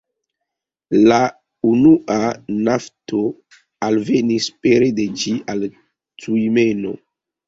La la unua nafto alvenis pere de ĝi al Tjumeno.